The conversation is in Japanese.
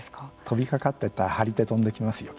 飛びかかってったら張り手飛んできますよ。